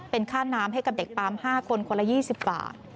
เป็นค่าน้ำให้กับเด็กปั๊ม๕คนคนละ๒๐บาท